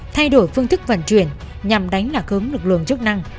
thay đổi phương thức vận chuyển nhằm đánh lạc hướng lực lượng chức năng